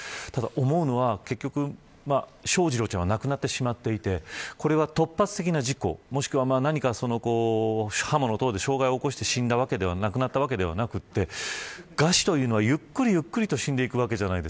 思うのは結局、翔士郎ちゃんは亡くなってしまっていてこれは突発的な事故、もしくは刃物等で傷害を起こして死んだわけではなくて餓死というのは、ゆっくりゆっくりと死んでいくわけです。